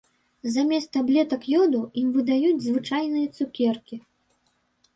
Замест таблетак ёду ім выдаюць звычайныя цукеркі.